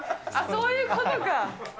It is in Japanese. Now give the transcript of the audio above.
そういうことか。